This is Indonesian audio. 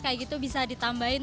kayak gitu bisa ditambahin